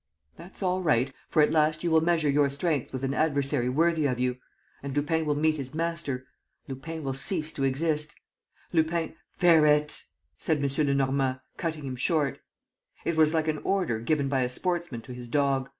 "That's all right, for at last you will measure your strength with an adversary worthy of you. ... And Lupin will meet his master. ... Lupin will cease to exist. ... Lupin ..." "Ferret!" said M. Lenormand, cutting him short. It was like an order given by a sportsman to his dog.